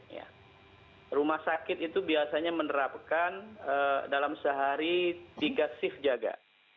ya rumah sakit itu biasanya menerapkan dalam sehari tiga shift jaga